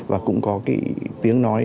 và cũng có cái tiếng nói